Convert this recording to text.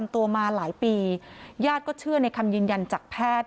ตัวมาหลายปีญาติก็เชื่อในคำยืนยันจากแพทย์